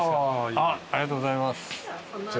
ありがとうございます。